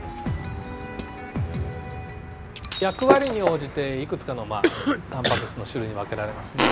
役割に応じていくつかのタンパク質の種類に分けられますね。